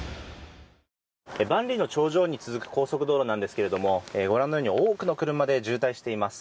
万里の長城に続く高速道路なんですけどもご覧のように多くの車で渋滞しています。